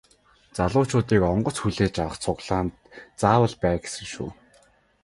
Залуучуудыг онгоц хүлээж авах цуглаанд заавал бай гэсэн шүү.